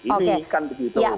ini kan begitu